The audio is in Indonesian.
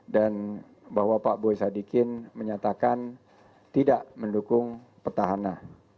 dan bahwa pak boy sadikin menyatakan tidak mendukung petahana